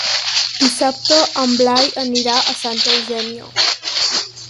Dissabte en Blai anirà a Santa Eugènia.